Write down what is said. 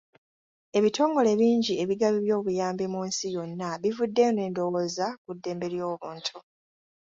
Ebitongole bingi ebigabi by'obuyambi mu nsi yonna bivuddeyo n'endowooza ku ddembe ly'obuntu.